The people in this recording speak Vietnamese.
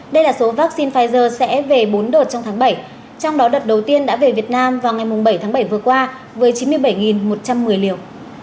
đây là số vaccine pfizer sẽ về bốn đợt trong tháng bảy trong đó đợt đầu tiên đã về việt nam vào ngày bảy tháng bảy vừa qua với chín mươi bảy một trăm một mươi liều